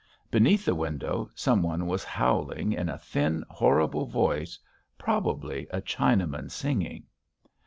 Beneath the window some one was howling in a thin, horrible voice; probably a Chinaman singing.